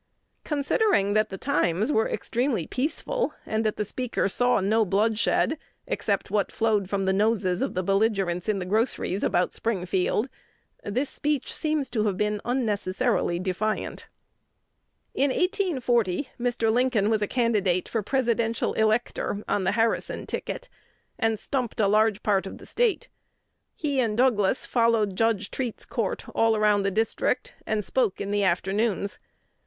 Considering that the times were extremely peaceful, and that the speaker saw no bloodshed except what flowed from the noses of belligerents in the groceries about Springfield, the speech seems to have been unnecessarily defiant. In 1840 Mr. Lincoln was a candidate for presidential elector on the Harrison ticket, and stumped a large part of the State. He and Douglas followed Judge Treat's court all around the circuit, "and spoke in the afternoons."